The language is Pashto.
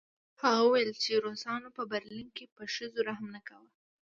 هغه وویل چې روسانو په برلین کې په ښځو رحم نه کاوه